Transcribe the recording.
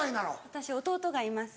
私弟がいます